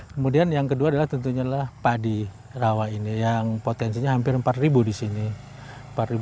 kemudian yang kedua adalah tentunya adalah padi rawa ini yang potensinya hampir rp empat di sini